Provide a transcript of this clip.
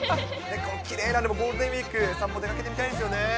きれいな、ゴールデンウィーク、タモリさんも出かけてみたいですよね。